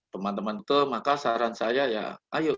teman teman ke maka saran saya ya ayo